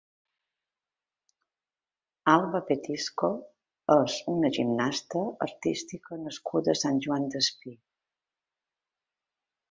Alba Petisco és una gimnasta artística nascuda a Sant Joan Despí.